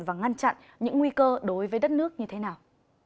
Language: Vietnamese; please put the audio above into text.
và ngăn chặn những nguy cơ đối với đất nước như thế nào